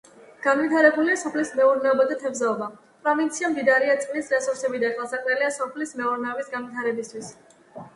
განვითარებულია სოფლის მეურნეობა და თევზაობა, პროვინცია მდიდარია წყლის რესურსებით და ხელსაყრელია სოფლის მეურნეობის განვითარებისათვის.